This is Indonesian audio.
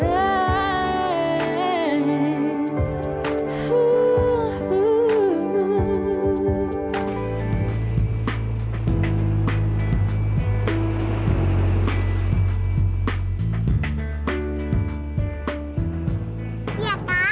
allah job nganvi